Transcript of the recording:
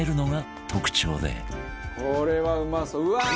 「これはうまそううわー！